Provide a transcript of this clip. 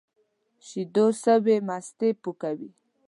شيدو سوى ، مستې پوکي.